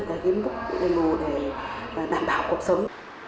để kiếm được đền bù để đảm bảo cuộc sống